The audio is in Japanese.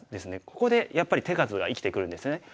ここでやっぱり手数が生きてくるんですね。